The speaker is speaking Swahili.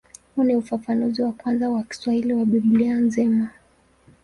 Huu ni ufafanuzi wa kwanza wa Kiswahili wa Biblia nzima.